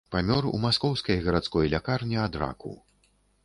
Памёр у маскоўскай гарадской лякарні ад раку.